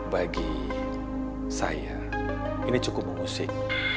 bagi saya ini cukup mengusik